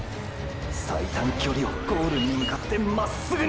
最短距離をゴールに向かってまっすぐに！！